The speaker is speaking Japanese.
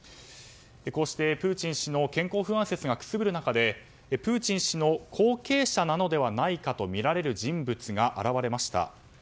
こうして、プーチン氏の健康不安説がくすぶる中でプーチン氏の後継者なのではないかとみられる人物が現れました。